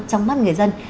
trong mắt người dân